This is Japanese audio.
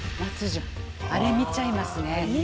あれ見ちゃいますね。